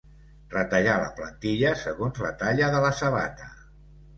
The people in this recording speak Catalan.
Retallar la plantilla segons la talla de la sabata.